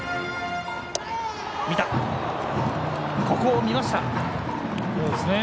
ここを見ました。